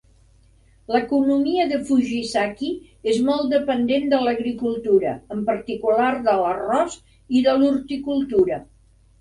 L'economia de Fujisaki és molt dependent de l'agricultura, en particular de l'arròs, i de l'horticultura.